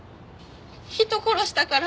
人殺したから。